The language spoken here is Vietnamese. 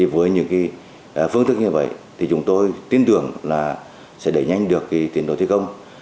với những phương thức như vậy chúng tôi tin tưởng sẽ đẩy nhanh được tiến độ thi công